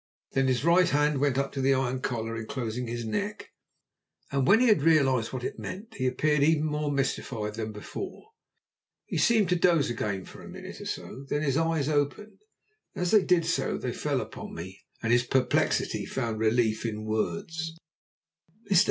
Then his right hand went up to the iron collar enclosing his neck, and when he had realized what it meant he appeared even more mystified than before. He seemed to doze again for a minute or so, then his eyes opened, and as they did so they fell upon me, and his perplexity found relief in words. "Mr.